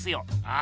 あ？